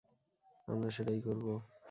আমরা সেটাই করবো।